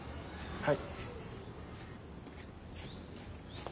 はい。